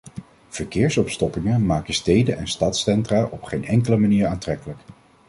Verkeersopstoppingen maken steden en stadscentra op geen enkele manier aantrekkelijk.